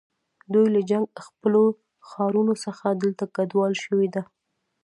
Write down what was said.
دوی له جنګ ځپلو ښارونو څخه دلته کډوال شوي دي.